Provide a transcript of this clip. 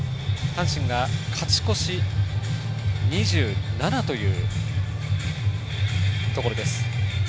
阪神が勝ち越し２７というところ。